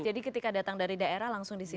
jadi ketika datang dari daerah langsung di situ